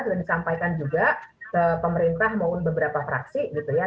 sudah disampaikan juga ke pemerintah maupun beberapa fraksi gitu ya